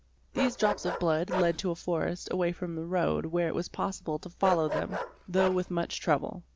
These drops of blood led to a forest away from the road, where it was possible to follow them, though with much trouble.